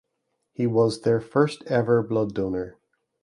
He was their first ever blood donor.